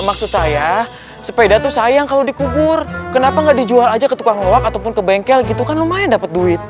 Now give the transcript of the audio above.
maksud saya sepeda tuh sayang kalau dikubur kenapa nggak dijual aja ke tukang mewak ataupun ke bengkel gitu kan lumayan dapat duit